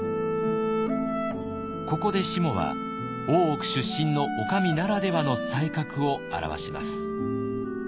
ここでしもは大奥出身の女将ならではの才覚を現します。